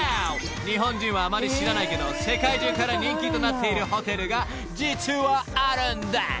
［日本人はあまり知らないけど世界中から人気となっているホテルが実はあるんです］